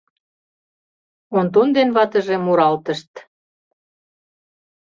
Онтон ден ватыже муралтышт: